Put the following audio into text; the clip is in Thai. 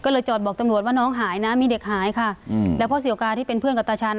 ก็เลยจอดบอกตำรวจว่าน้องหายนะมีเด็กหายค่ะอืมแล้วพ่อเสียวกาที่เป็นเพื่อนกับตาชาญ